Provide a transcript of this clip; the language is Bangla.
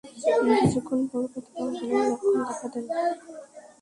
কিছুক্ষণ পর পতাকা পতনের লক্ষণ দেখা দেয়।